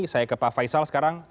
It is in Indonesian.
saya ke pak faisal sekarang